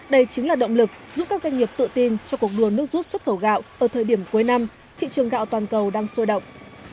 đây chính là động lực giúp các doanh nghiệp tự tin cho cuộc đua nước rút xuất khẩu gạo ở thời điểm cuối năm thị trường gạo toàn cầu đang sôi động